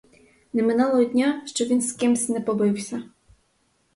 Не минало й дня, щоб він з кимсь не побився.